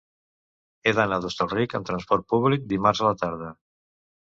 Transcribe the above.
He d'anar a Hostalric amb trasport públic dimarts a la tarda.